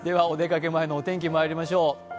お出かけ前のお天気まいりましょう。